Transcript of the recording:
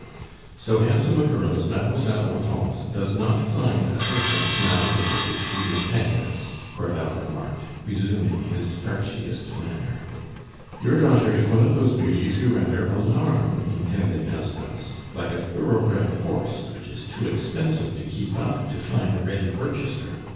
"So handsome a girl as Mademoiselle Hortense does not find a husband nowadays if she is penniless," Crevel remarked, resuming his starchiest manner. "Your daughter is one of those beauties who rather alarm intending husbands; like a thoroughbred horse, which is too expensive to keep up to find a ready purchaser.